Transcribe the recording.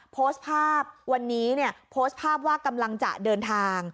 โพสต์ภาพวันนี้เนี่ยโพสต์ภาพว่ากำลังจะเดินทาง